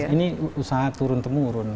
ini usaha turun temurun